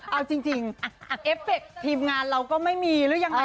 เอาจริงเอฟเฟคทีมงานเราก็ไม่มีหรือยังไง